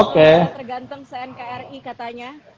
tergantung cnkri katanya